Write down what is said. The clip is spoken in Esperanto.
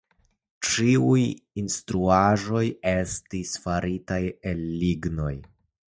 Ĉiuj instalaĵoj estis faritaj el lignoj.